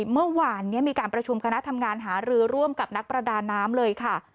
เมื่อวานนี้มีการประชุมคณะทำงานหารือร่วมกับนักประดาน้ำเลยค่ะ